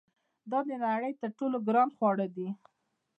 دا د نړۍ تر ټولو ګران خواړه دي.